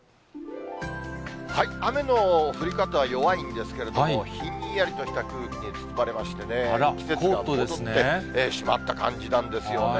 雨の降り方は弱いんですけれども、ひんやりとした空気に包まれましてね、季節が戻ってしまった感じなんですよね。